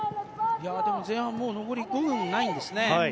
でも前半、残り５分ないんですね。